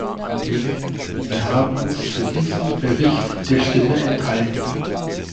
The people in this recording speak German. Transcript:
Wir haben uns zu diesem Bericht der Stimme enthalten.